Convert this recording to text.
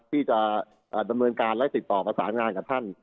ที่จะดำเนินการและติดต่อประสานงานกับท่าน